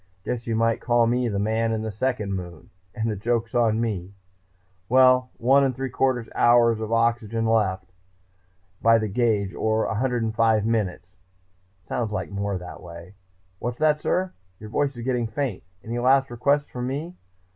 Guess you might call me the Man in the Second Moon and the joke's on me! Well, one and three quarter hours of oxygen left, by the gauge, or 105 minutes sounds like more that way.... What's that, sir? Your voice is getting faint. Any last requests from me?